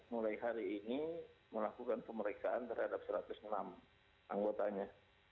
mulai hari ini melakukan pemeriksaan terhadap satu ratus enam anggotanya